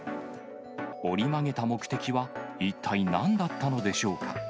折り曲げた目的は、一体なんだったのでしょうか。